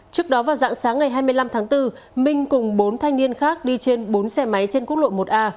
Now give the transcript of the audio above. trước đó vào dạng sáng ngày hai mươi năm tháng bốn minh cùng bốn thanh niên khác đi trên bốn xe máy trên quốc lộ một a